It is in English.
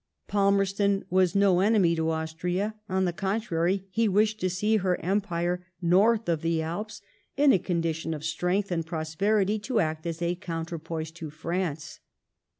Palmerston was no enemy to Aastria ; on the contrary, he wished to see her empire north of the Alps in a condition of strength and prosperity to act as a counterpoise to France.